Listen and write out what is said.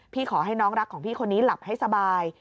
ขอให้น้องรักของพี่คนนี้หลับให้สบาย